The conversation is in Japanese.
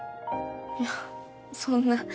いやそんな。